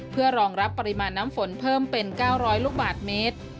เพื่อรองรับปริมาณน้ำฝนเพิ่มเป็น๙๐๐ลูกบาทเมตร